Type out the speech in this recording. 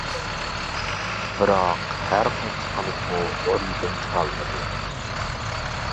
بىراق ھەر قانچە قىلىپمۇ ئورنىدىن تۇرالمىدى.